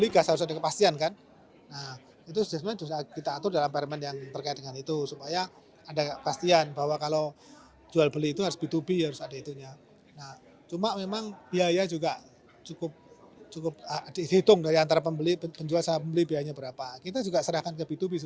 ketika dihitung antara penjual dan pembeli kita juga serahkan ke b dua b